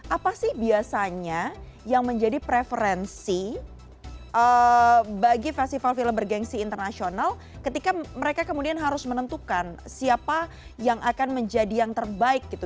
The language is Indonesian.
apa sih biasanya yang menjadi preferensi bagi festival film bergensi internasional ketika mereka kemudian harus menentukan siapa yang akan menjadi yang terbaik gitu